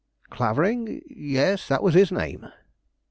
"Clavering? Yes, that was his name."